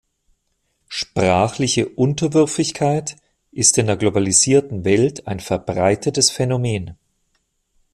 Sprachliche Unterwürfigkeit ist in der globalisierten Welt ein verbreitetes Phänomen.